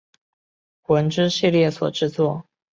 魂之系列所制作。